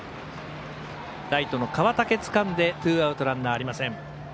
ライトの川竹がつかんでツーアウト、ランナーありません。